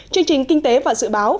chương trình kinh tế và dự báo